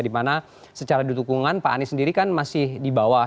dimana secara dukungan pak anies sendiri kan masih di bawah